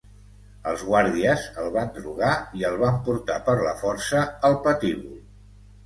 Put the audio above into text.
Els guàrdies el van drogar i el van portar per la força al patíbul.